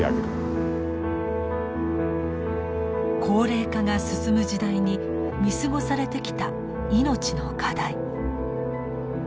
高齢化が進む時代に見過ごされてきた命の課題。